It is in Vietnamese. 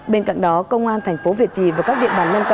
bên cạnh đó công an thành phố việt trì và các địa bàn nâng cao